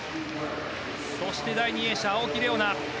そして第２泳者、青木玲緒樹。